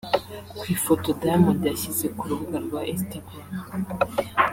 Ku ifoto Diamond yashyize ku rubuga rwa Instagram